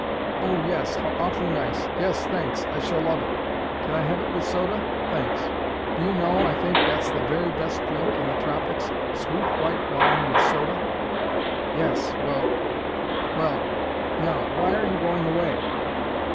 "Oh, yes! How awfully nice! Yes, thanks, I shall love it. Can I have it with soda? Thanks! Do you know, I think that's the very best drink in the tropics: sweet white wine, with soda? Yes well! Well now, why are you going away?"